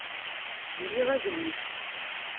Liɣ adlis